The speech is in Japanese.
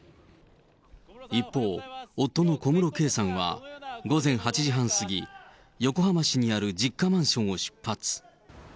一方、夫の小室圭さんは、午前８時半過ぎ、横浜市にある実家マンションを出発。